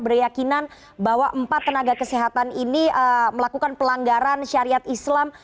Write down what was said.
beryakinan bahwa empat tenaga kesehatan ini melakukan pelanggaran syariat islam